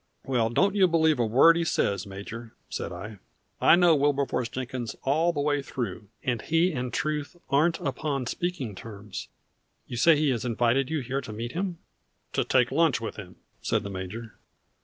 "Well, don't you believe a word he says, Major," said I. "I know Wilberforce Jenkins all the way through, and he and truth aren't upon speaking terms. You say he has invited you here to meet him?" "To take lunch with him," said the major.